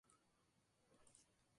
Sadler, John.